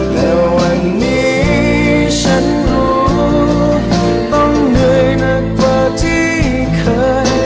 และวันนี้ฉันรู้ต้องเหนื่อยหนักกว่าที่เคย